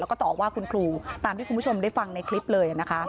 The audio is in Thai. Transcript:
แล้วก็ต่อว่าคุณครูตามที่คุณผู้ชมได้ฟังในคลิปเลยนะคะ